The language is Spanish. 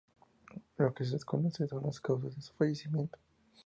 Lo que se desconocen son las causas de su fallecimiento.